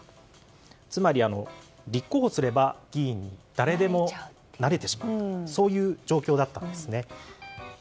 つまり、立候補すれば議員に誰でもなれてしまう状況だったんですね。